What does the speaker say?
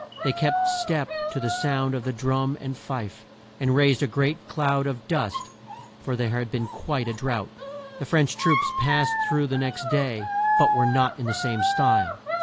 They kept step to the sound of the drum and fife, and raised a great cloud of dust, for there had been quite a drought. The French troops passed through the next day, but not in the same style.